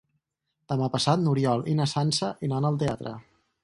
Demà passat n'Oriol i na Sança iran al teatre.